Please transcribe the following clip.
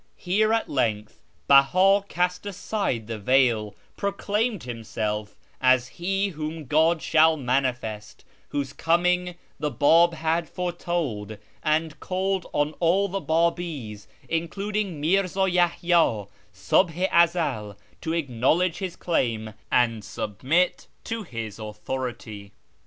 Here at length Beha cast aside the veil, proclaimed himself as " He whom God shall manifest," whose coming the Bab had foretold, and called on all the Babis, including Mi'rza Yahya, " Suhh i Ezel," to acknowledge his claim and submit to his authority.